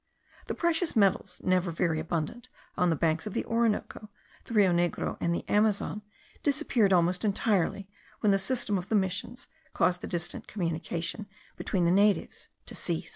The precious metals, never very abundant on the banks of the Orinoco, the Rio Negro, and the Amazon, disappeared almost entirely when the system of the missions caused the distant communications between the natives to cease.